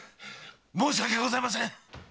申し訳ございません。